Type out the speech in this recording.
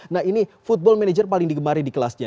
nah ini football manager paling digemari di kelasnya